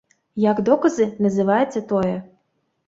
Як доказы называецца тое.